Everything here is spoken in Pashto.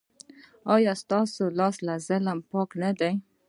ایا ستاسو لاس له ظلم پاک نه دی؟